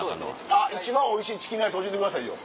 あっ一番おいしいチキンライス教えてくださいよ。